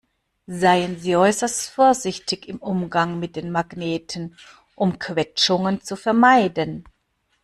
Seien Sie äußerst vorsichtig im Umgang mit den Magneten, um Quetschungen zu vermeiden.